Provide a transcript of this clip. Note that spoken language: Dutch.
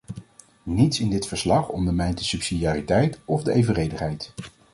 Niets in dit verslag ondermijnt de subsidiariteit of de evenredigheid.